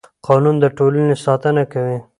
قانون د ټولنې ساتنه کوي